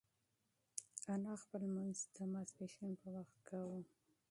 انا خپل لمونځ د ماسپښین په وخت کاوه.